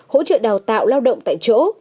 hỗ trợ đào tạo lao động tại chỗ